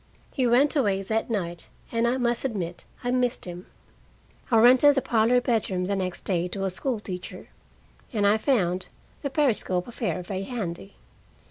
He went away that night, and I must admit I missed him. I rented the parlor bedroom the next day to a school teacher, and I found the periscope affair very handy.